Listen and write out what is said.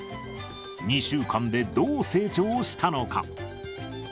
２週間でどう成長したのか。